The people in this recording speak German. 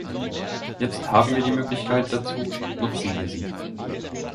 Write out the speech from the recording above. Jetzt haben wir die Möglichkeit dazu, nutzen wir sie!